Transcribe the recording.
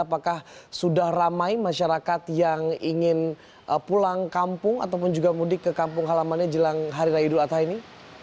apakah sudah ramai masyarakat yang ingin pulang kampung ataupun juga mudik ke kampung halamannya jelang hari raya idul adha ini